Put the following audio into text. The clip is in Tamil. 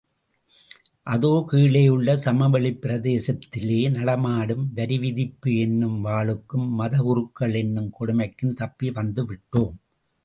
அதோ கீழேயுள்ள சமவெளிப் பிரதேசத்திலே நடமாடும், வரி விதிப்பு என்னும் வாளுக்கும், மதகுருக்கள் என்னும் கொடுமைக்கும் தப்பி வந்துவிட்டோம்.